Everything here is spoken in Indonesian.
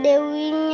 di dalam kpic nongi